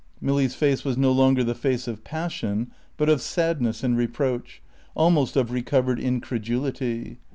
Milly's face was no longer the face of passion, but of sadness and reproach, almost of recovered incredulity.